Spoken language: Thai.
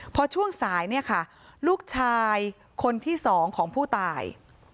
พอช่วงสายเนี่ยค่ะลูกชายคนที่สองของผู้ตาย